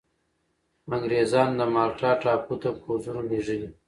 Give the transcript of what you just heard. انګرېزانو د مالټا ټاپو ته پوځونه لېږلي.